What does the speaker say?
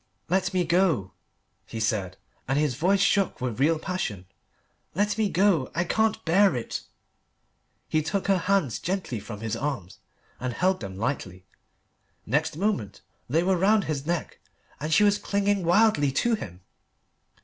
"Let me go," he said, and his voice shook with real passion, "let me go I can't bear it." He took her hands gently from his arms and held them lightly. Next moment they were round his neck, and she was clinging wildly to him.